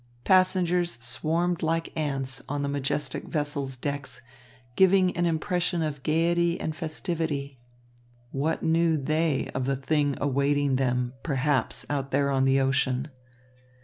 Passengers swarmed like ants on the majestic vessel's decks, giving an impression of gaiety and festivity. What knew they of the thing awaiting them, perhaps, out there on the ocean?